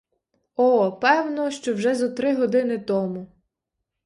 О, певно, що вже зо три години тому.